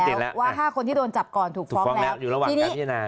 ชัดเจนแล้วว่าห้าคนที่โดนจับก่อนถูกฟ้องแล้วถูกฟ้องแล้วอยู่ระหว่างกันที่นา